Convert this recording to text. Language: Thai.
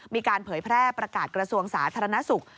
เผยแพร่ประกาศกระทรวงสาธารณสุข